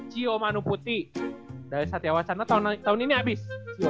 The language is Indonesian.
cio manuputi dari satya wacana tahun ini abis